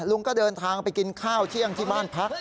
ลุงก็เดินทางไปกินข้าวเที่ยงที่บ้านพัก